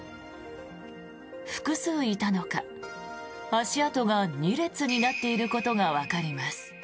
複数いたのか足跡が２列になっていることがわかります。